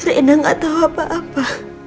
rina gak tau apa apa